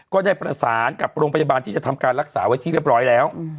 ก็ได้ประสานกับโรงพยาบาลที่จะทำการรักษาไว้ที่เรียบร้อยแล้ว